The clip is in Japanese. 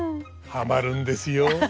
ハマるんですよ。